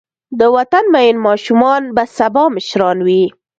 د وطن مین ماشومان به سبا مشران وي.